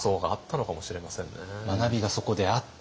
学びがそこであって。